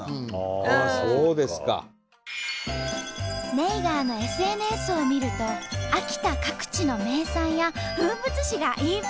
ネイガーのＳＮＳを見ると秋田各地の名産や風物詩がいっぱい！